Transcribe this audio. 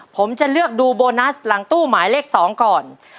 ผมจะเลือกดูโบนัสหลังตู้หมายเลข๒ก่อน